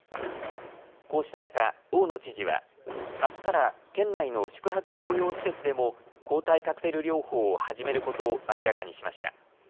こうした中、大野知事はあすから県内の宿泊療養施設でも抗体カクテル療法を始めることを明らかにしました。